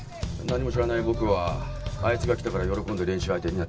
何も知らない僕はあいつが来たから喜んで練習相手になってやってた。